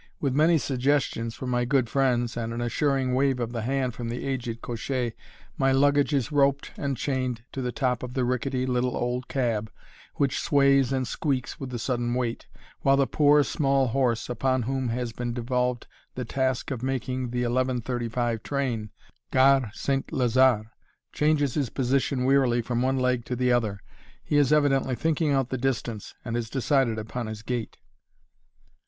With many suggestions from my good friends and an assuring wave of the hand from the aged cocher, my luggage is roped and chained to the top of the rickety, little old cab, which sways and squeaks with the sudden weight, while the poor, small horse, upon whom has been devolved the task of making the 11.35 train, Gare St. Lazare, changes his position wearily from one leg to the other. He is evidently thinking out the distance, and has decided upon his gait.